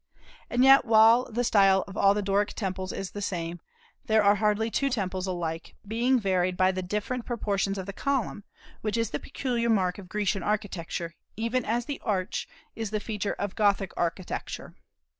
And yet while the style of all the Doric temples is the same, there are hardly two temples alike, being varied by the different proportions of the column, which is the peculiar mark of Grecian architecture, even as the arch is the feature of Gothic architecture.